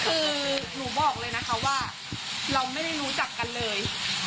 คือหนูบอกเลยนะคะว่าเราไม่ได้รู้จักกันเลย